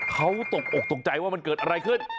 เขาตกอกตกใจว่ามันเกิดอะไรขึ้น